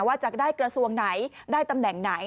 ว่าจะได้กระทรวงไหนได้ตำแหน่งไหน